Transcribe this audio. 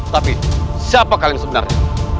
tapi siapa kalian sebenarnya